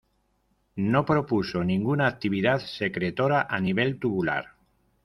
No propuso ninguna actividad secretora a nivel tubular.